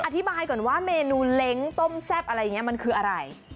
อธิบายก่อนว่าเมนูเล็งต้มแซ่บมันคืออะไร